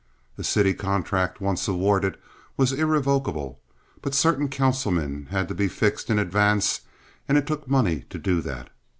A city contract once awarded was irrevocable, but certain councilmen had to be fixed in advance and it took money to do that.